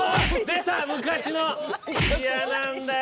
昔の嫌なんだよ